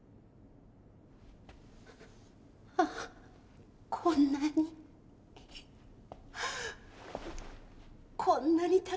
ああこんなに。